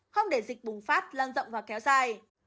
không để dịch bùng phát lan rộng và kéo dài